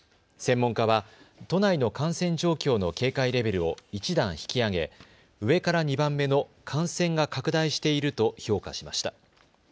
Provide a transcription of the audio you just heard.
専門家は都内の感染状況の警戒レベルを１段引き上げ上から２番目の感染が拡大していると評価しました。